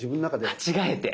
間違えて。